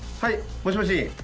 もしもし？